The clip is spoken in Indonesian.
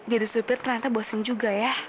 jadi supir ternyata bosan juga ya